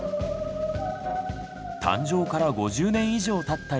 誕生から５０年以上たった